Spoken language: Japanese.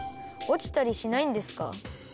おちたりしないんですか？